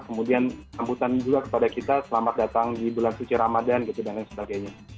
kemudian sambutan juga kepada kita selamat datang di bulan suci ramadan gitu dan lain sebagainya